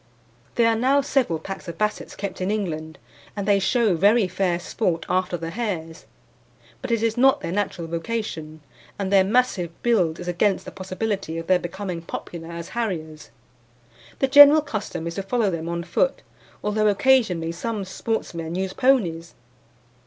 There are now several packs of Bassets kept in England, and they show very fair sport after the hares; but it is not their natural vocation, and their massive build is against the possibility of their becoming popular as harriers. The general custom is to follow them on foot, although occasionally some sportsmen use ponies.